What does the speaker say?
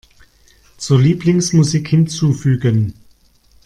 Zur Lieblingsmusik hinzufügen.